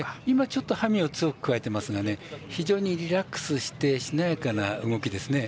ちょっと馬銜を強く、くわえてますが非常にリラックスしてしなやかな動きですね。